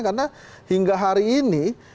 karena hingga hari ini